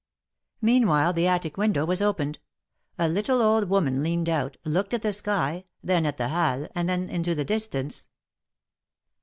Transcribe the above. Meanwhile the attic window was opened; a little old woman leaned out, looked at the sky, then at the Halles, and then into the distance.